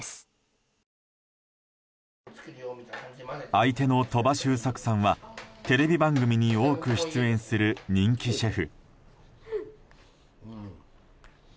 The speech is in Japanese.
相手の鳥羽周作さんはテレビ番組に多く出演する人気シェフ。